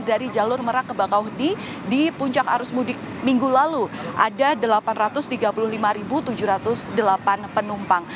dari jalur merak ke bakauheni di puncak arus mudik minggu lalu ada delapan ratus tiga puluh lima tujuh ratus delapan penumpang